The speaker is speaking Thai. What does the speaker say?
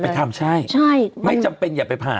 ไม่จำเป็นอย่าไปผ่า